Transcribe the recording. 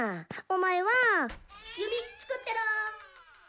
お前は弓作ってろ。